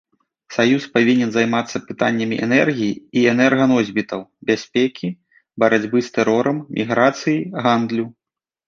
Саюз павінен займацца пытаннямі энергіі і энерганосьбітаў, бяспекі, барацьбы з тэрорам, міграцыі, гандлю.